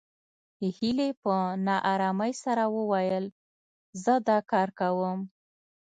هيلې په نا آرامۍ سره وويل زه دا کار کوم